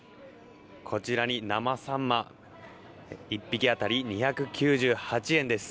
こちらに生サンマ１匹当たり２９８円です。